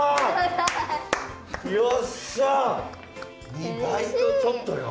２倍とちょっとよ。